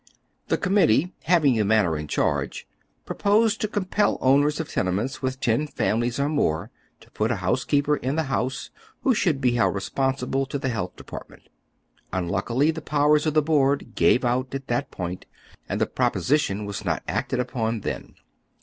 The Committee having the matter in charge proposed to compel owners of tene ments witli ten families or more to put a housekeeper in the liouse, who should be held responsible to the Plealth Department. Unluckily the powersof the Board gave out !it that point, and the proposition was not acted upon then.